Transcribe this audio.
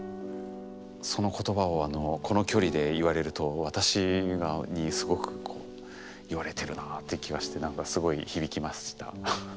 その言葉をこの距離で言われると私にすごく言われてるなあって気がしてすごい響きました。